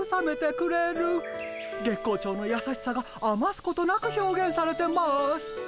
月光町のやさしさがあますことなく表現されてます。